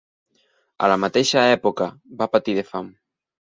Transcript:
A la mateixa època, va patir de fam.